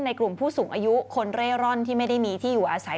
กลุ่มผู้สูงอายุคนเร่ร่อนที่ไม่ได้มีที่อยู่อาศัย